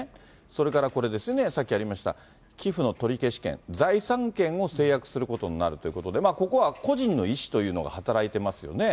それからこれですね、さっきありました寄付の取消権、財産権を制約することになるということで、ここは個人の意思というのが働いてますよね。